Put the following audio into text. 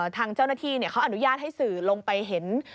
ทางเจ้าหน้าที่เขาอนุญาตให้สื่อลงไปเห็น